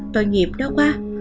tội nghiệp nó quá